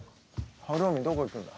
晴臣どこ行くんだ？